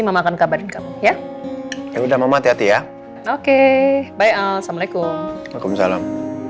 makan kabar ya udah mama hati hati ya oke bye assalamualaikum waalaikumsalam